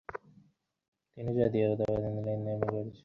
তিনি জাতীয়তাবাদী আন্দোলনে নেমে পড়েছিলেন।